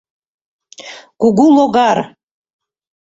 — «Кугу логар»...